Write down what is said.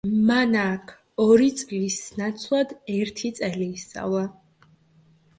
მან აქ ორი წლის ნაცვლად ერთი წელი ისწავლა.